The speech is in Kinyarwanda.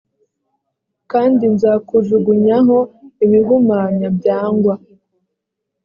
kandi nzakujugunyaho ibihumanya byangwa